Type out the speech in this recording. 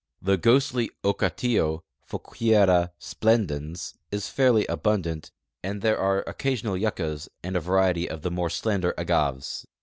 The ghostly okatillo (/'ba7/n>m .s/>/(j/tdr/ix) is fairly abundant, and there are occasional yuccas and a variety of the more slender agaves.